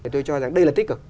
tôi cho rằng đây là tích cực